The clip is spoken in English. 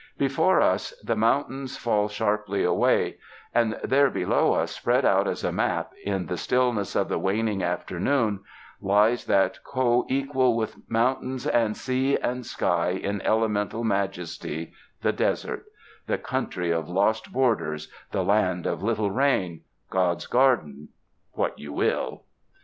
Before us the mountains 95 . TINDER THE SKY IN CALIFORNIA fall sharply away, and there below us spread out as a map, in the stillness of the waning afternoon, lies that co equal with mountain and sea and sky in elemental majesty, the desert — "the country of lost borders," "the land of little rain," "God's garden" — what you will.